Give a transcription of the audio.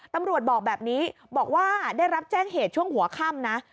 ตำรวจบอกแบบนี้บอกว่าได้รับแจ้งเหตุช่วงหัวค่ำนะ